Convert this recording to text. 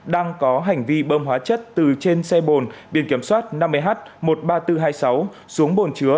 đang có hành vi bơm hóa chất từ trên xe bồn biển kiểm soát năm mươi h một mươi ba nghìn bốn trăm hai mươi sáu xuống bồn chứa